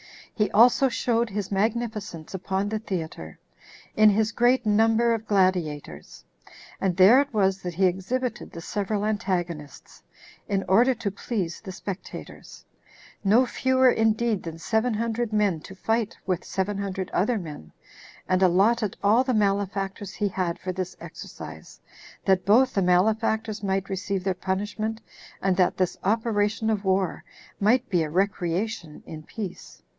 He also showed his magnificence upon the theater, in his great number of gladiators; and there it was that he exhibited the several antagonists, in order to please the spectators; no fewer indeed than seven hundred men to fight with seven hundred other men 20 and allotted all the malefactors he had for this exercise, that both the malefactors might receive their punishment, and that this operation of war might be a recreation in peace.